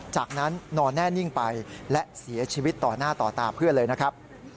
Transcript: จากนั้นนอนแน่นิ่งไปและเสียชีวิตต่อหน้าต่อตาเพื่อนเลยนะครับ